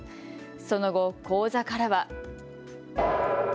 その後、口座からは。